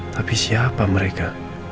tapi siapa mereka